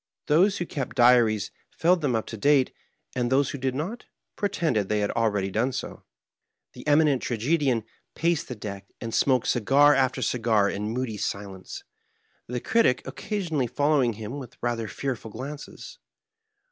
Those who kept diaries filled them up to date, and those who did not, pretended they had already done so. TheEmi nent Tragedian paced the deck, and smoked cigar after cigar in moody silence, the Critic occasionally following him with rather fearful glances.